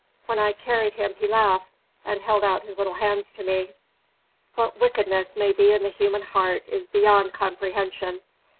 When I carried him he laughed and held out his little hands to me. What wickedness may be in the human heart is beyond comprehension.